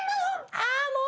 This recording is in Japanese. あもう！